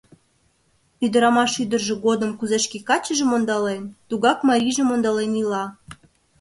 Ӱдырамаш ӱдыржӧ годым кузе шке качыжым ондален, тугак марийжым ондален ила.